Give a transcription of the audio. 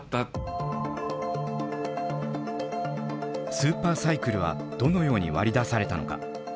スーパーサイクルはどのように割り出されたのか？